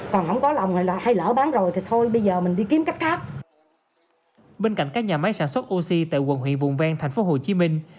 các nhà máy sang chiếc oxy trên địa bàn thành phố hồ chí minh